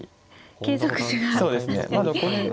継続手が確かに。